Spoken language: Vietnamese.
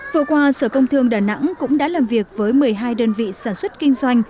vừa qua sở công thương đà nẵng cũng đã làm việc với một mươi hai đơn vị sản xuất kinh doanh